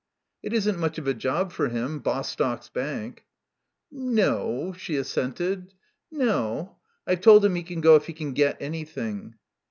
"It isn't much of a job for him, Bostock's Bank." "N no," she assented, "n no. I've told him he can go if he can get anything."